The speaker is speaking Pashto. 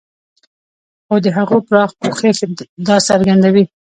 خو د هغو پراخ پوښښ دا څرګندوي.